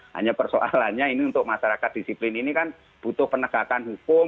hanya persoalannya ini untuk masyarakat disiplin ini kan butuh penegakan hukum